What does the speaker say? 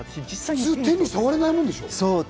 普通、手に触れないものでしょ？